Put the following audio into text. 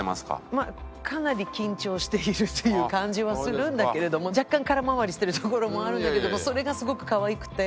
まあかなり緊張しているという感じはするんだけれども若干空回りしてるところもあるんだけどもそれがすごく可愛くて。